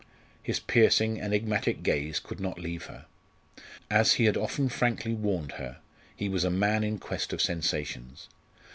His piercing enigmatic gaze could not leave her. As he had often frankly warned her, he was a man in quest of sensations.